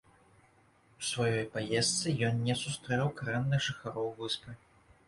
У сваёй паездцы ён не сустрэў карэнных жыхароў выспы.